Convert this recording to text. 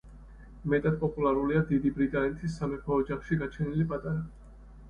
მეტად პოპულარულია, დიდი ბრიტანეთის სამეფო ოჯახში გაჩენილი პატარა.